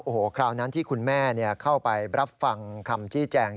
โอ้โหคราวนั้นที่คุณแม่เข้าไปรับฟังคำชี้แจง